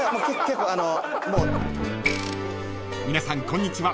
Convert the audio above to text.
［皆さんこんにちは